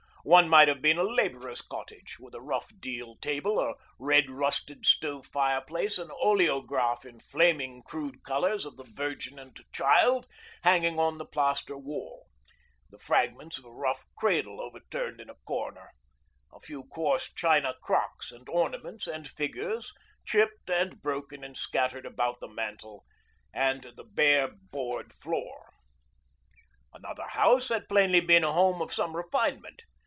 One might have been a labourer's cottage, with a rough deal table, a red rusted stove fireplace, an oleograph in flaming crude colours of the 'Virgin and Child' hanging on the plaster wall, the fragments of a rough cradle overturned in a corner, a few coarse china crocks and ornaments and figures chipped and broken and scattered about the mantel, and the bare board floor. Another house had plainly been a home of some refinement.